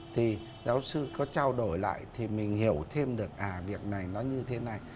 thì giáo sư có trao đổi lại thì mình hiểu thêm được à việc này nó như thế này